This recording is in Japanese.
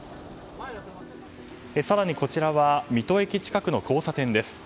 更に、こちらは水戸駅近くの交差点です。